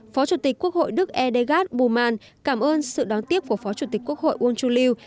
phó chủ tịch quốc hội đức idegard pumann cảm ơn sự đáng tiếc của phó chủ tịch quốc hội uông chu lưu